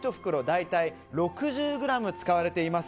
大体６０ｇ使われています。